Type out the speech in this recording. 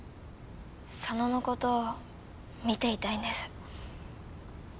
佐野のことを見ていたいんです。